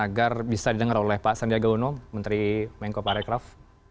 agar bisa didengar oleh pak sandiaga uno menteri mengko parekraf